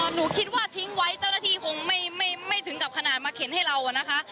หนูคิดว่าทิ้งไว้เจ้าหน้าที่คงไม่ถึงกับขนาดมาเข็นให้เราอะนะคะ